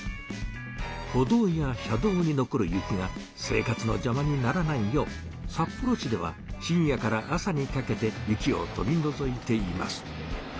歩道や車道に残る雪が生活のじゃまにならないよう札幌市では深夜から朝にかけて雪を取りのぞいています。